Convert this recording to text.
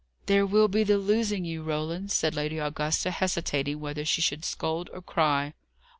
"There will be the losing you, Roland," said Lady Augusta, hesitating whether she should scold or cry.